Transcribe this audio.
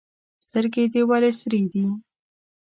سترګي دي ولي سرې دي؟